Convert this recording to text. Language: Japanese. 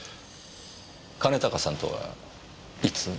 兼高さんとはいつ？